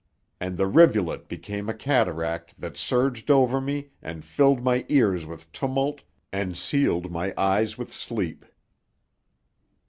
And the rivulet became a cataract that surged over me and filled my ears with tumult and sealed my eyes with sleep.